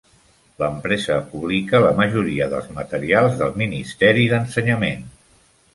L'empresa publica la majoria dels materials del Ministeri d'Ensenyament.